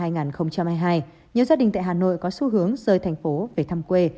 nhiều gia đình tại hà nội có xu hướng rời thành phố về thăm quê